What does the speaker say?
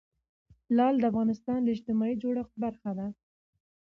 لعل د افغانستان د اجتماعي جوړښت برخه ده.